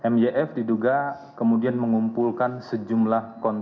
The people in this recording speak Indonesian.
myf diduga kemudian mengumpulkan sejumlah konten